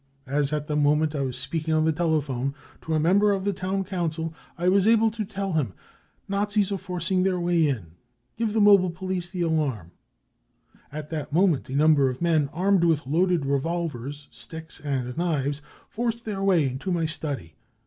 As at that moment I was speaking on the telephone to a member of the town council, I was able to tell him :' Nazis are forcing their way in, give the mobile police the alarm.' <c At that moment a number of men armed with loaded revolvers, sticks and knives forced their way into my study.